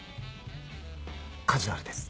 カジュアルです。